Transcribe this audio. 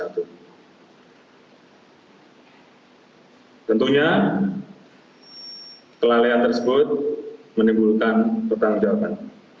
tentunya kelalaian tersebut menimbulkan pertanggungjawaban